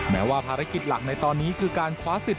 แม้ว่าภารกิจหลักในตอนนี้คือการคว้าสิทธิ